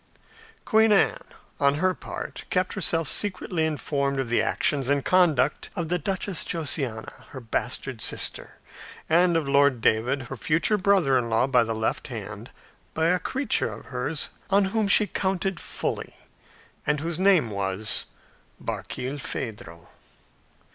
Queen Anne, on her part, kept herself secretly informed of the actions and conduct of the Duchess Josiana, her bastard sister, and of Lord David, her future brother in law by the left hand, by a creature of hers, on whom she counted fully, and whose name was Barkilphedro.